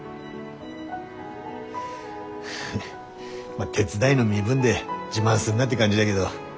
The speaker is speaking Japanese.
まあ手伝いの身分で自慢すんなって感じだげど